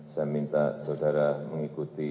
saya minta saudara mengikuti